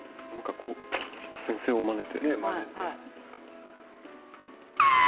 先生をまねて。